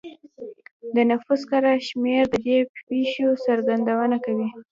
د نفوس کره شمېر د دې پېښو څرګندونه کوي